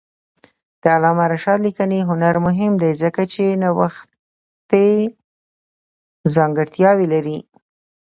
د علامه رشاد لیکنی هنر مهم دی ځکه چې نوښتي ځانګړتیاوې لري.